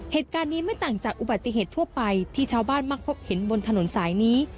เหตุการณ์นี้ไม่ต่างจากอุบัติเหตุทั่วไปที่ชาวบ้านมักพบเห็นบนถนนสายนี้